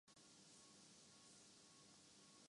یہ جماعتیں کب قائم ہوئیں، ان کے سربراہ کون ہیں۔